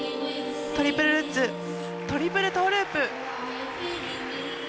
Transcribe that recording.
トリプルルッツ、トリプルトーループ。